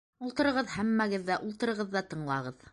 —Ултырығыҙ, һәммәгеҙ ҙә ултырығыҙ ҙа тыңлағыҙ!